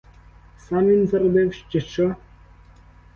Сам він заробив, чи що?